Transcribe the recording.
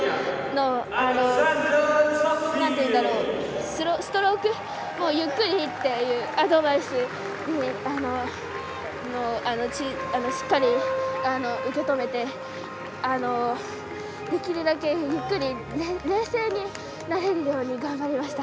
コーチからのストロークをゆっくりっていうアドバイスをしっかり受け止めてできるだけ、ゆっくり冷静になれるように頑張りました。